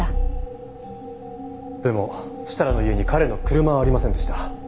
でも設楽の家に彼の車はありませんでした。